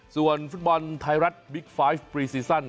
ส่วนฟุตบอลไทยรัฐบิ๊ก๕ปรีซีสัน